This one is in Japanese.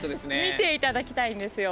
見て頂きたいんですよ。